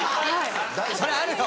それあるよ！